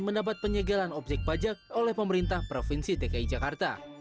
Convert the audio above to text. mendapat penyegelan objek pajak oleh pemerintah provinsi dki jakarta